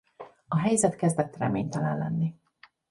A helyzet kezdett reménytelen lenni.